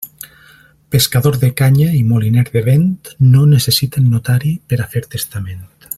Pescador de canya i moliner de vent no necessiten notari per a fer testament.